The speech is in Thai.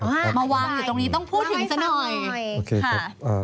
ม้าว้างอยู่ตรงนี้ต้องพูดถึงซะเนอย